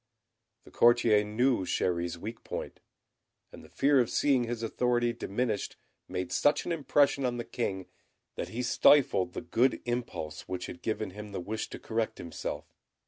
The courtier knew Chéri's weak point; and the fear of seeing his authority diminished made such an impression on the King, that he stifled the good impulse which had given him the wish to correct himself.